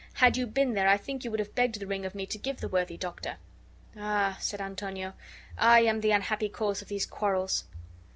Had you been there, I think you would have begged the ring of me to give the worthy doctor." "Ah!" said Antonio, "I am the unhappy cause of these quarrels."